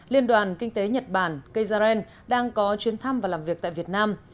liên đoàn kinh tế nhật bản kyzarren đang có chuyến thăm và làm việc tại việt nam